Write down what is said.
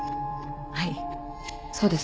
はいそうです。